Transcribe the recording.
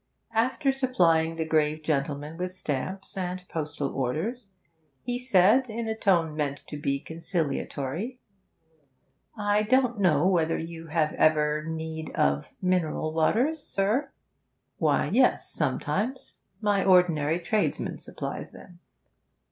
After supplying the grave gentleman with stamps and postal orders, he said, in a tone meant to be conciliatory 'I don't know whether you ever have need of mineral waters, sir?' 'Why, yes, sometimes. My ordinary tradesman supplies them.'